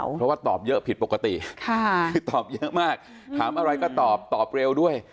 เพราะว่าตอบเยอะผิดปกติคือตอบเยอะมากถามอะไรก็ตอบตอบเร็วด้วย